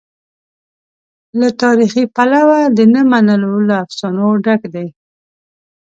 له تاریخي پلوه د نه منلو له افسانو ډک دی.